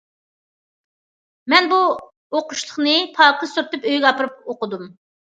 مەن بۇ ئوقۇشلۇقنى پاكىز سۈرتۈپ ئۆيگە ئاپىرىپ ئوقۇدۇم.